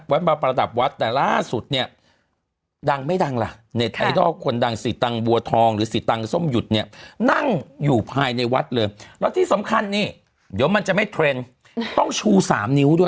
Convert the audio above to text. มาประดับวัดแต่ล่าสุดเนี่ยดังไม่ดังล่ะเน็ตไอดอลคนดังสิตังบัวทองหรือสีตังส้มหยุดเนี่ยนั่งอยู่ภายในวัดเลยแล้วที่สำคัญนี่เดี๋ยวมันจะไม่เทรนด์ต้องชูสามนิ้วด้วย